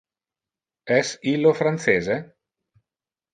Es illo francese?